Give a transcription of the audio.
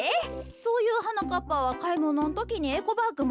そういうはなかっぱはかいもののときにエコバッグもっていくんか？